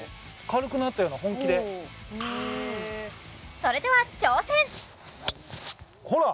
軽くなったような本気でそれでは挑戦ほら！